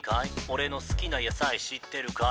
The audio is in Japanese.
俺の好きな野菜知ってるかい？